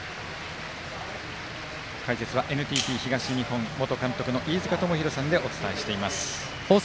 解説はＮＴＴ東日本元監督の飯塚智広さんでお伝えしています。